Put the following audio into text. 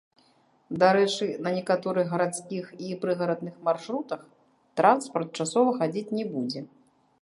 Дарэчы, на некаторых гарадскіх і прыгарадных маршрутах транспарт часова хадзіць не будзе.